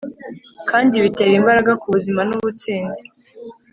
kandi bitera imbaraga kubuzima nubutsinzi